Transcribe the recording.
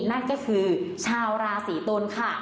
นั่นก็คือชาวราศีตุลค่ะ